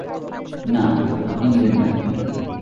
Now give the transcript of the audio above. না, আপনি নিবেন না।